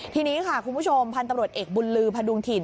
ทีนี้ค่ะคุณผู้ชมพันธุ์ตำรวจเอกบุญลือพดุงถิ่น